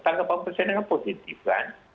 tanggapan presiden kan positif kan